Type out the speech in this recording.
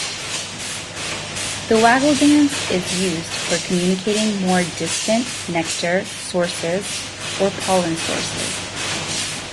The waggle dance is used for communicating more distant nectar sources or pollen sources.